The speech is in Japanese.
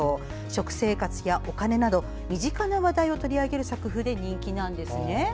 食生活やお金など、身近な話題を取り上げる作風で人気なんです。